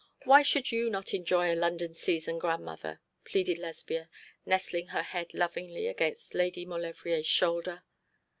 Why should you not enjoy a London season, grandmother?' pleaded Lesbia, nestling her head lovingly against Lady Maulevrier's shoulder.